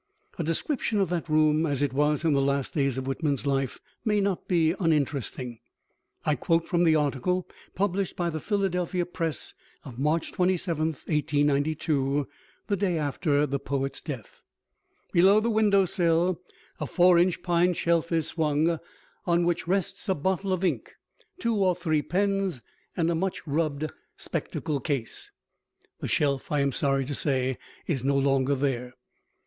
A description of that room as it was in the last days of Whitman's life may not be uninteresting. I quote from the article published by the Philadelphia Press of March 27, 1892, the day after the poet's death: Below the windowsill a four inch pine shelf is swung, on which rests a bottle of ink, two or three pens and a much rubbed spectacle case. (The shelf, I am sorry to say, is no longer there.)